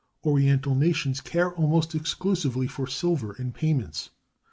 Oriental nations care almost exclusively for silver in payments.